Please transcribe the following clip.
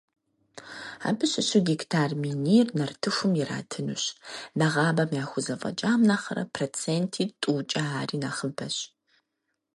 Абы щыщу гектар минир нартыхум иратынущ, нэгъабэм яхузэфӀэкӀам нэхърэ проценти тӀукӀэ ари нэхъыбэщ.